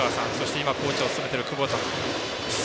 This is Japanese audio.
今、コーチを務めている久保田さん